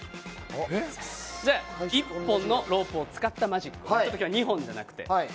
１本のロープを使ったマジックを今日は２本じゃなくて。